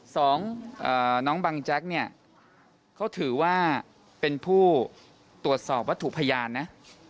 สองน้องบังแจ๊กเนี่ยเขาถือว่าเป็นผู้ตรวจสอบวัตถุพยานนะ